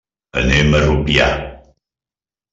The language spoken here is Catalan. Anem a Rupià.